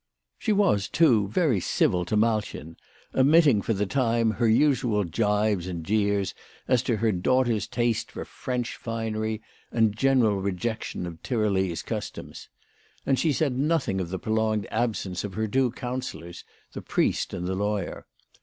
She was, too, very civil to Malchen, omitting for the time her usual gibes and jeers as to her daughter's taste for WHY FRAU FROHMANN RAISED HER PRICES. 45 French, finery and general rejection of Tyrolese cus toms. And she said nothing of the prolonged absence of her two counsellors, the priest and the lawyer.